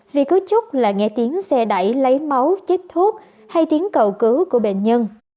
vì cứ chút là nghe tiếng xe đẩy lấy máu chết thuốc hay tiếng cầu cứu của bệnh nhân